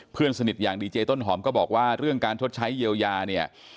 เพื่อนสนิทอย่างดีเจต้นหอมก็บอกว่าเรื่องการชดใช้เยียวยาเนี่ย